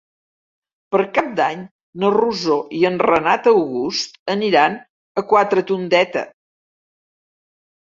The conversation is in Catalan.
Per Cap d'Any na Rosó i en Renat August aniran a Quatretondeta.